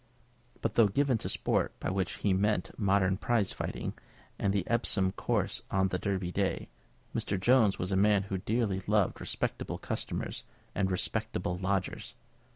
But though given to sport, by which he meant modern prize fighting and the Epsom course on the Derby day, Mr. Jones was a man who dearly loved respectable customers and respectable lodgers.